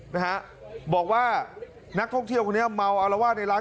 นะฮะบอกว่านักท่องเที่ยวคนนี้เมาอารวาสในร้าน